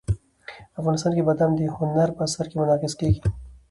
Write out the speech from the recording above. افغانستان کې بادام د هنر په اثار کې منعکس کېږي.